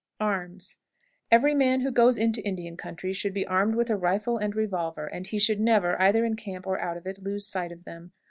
ARMS. Every man who goes into the Indian country should be armed with a rifle and revolver, and he should never, either in camp or out of it, lose sight of them.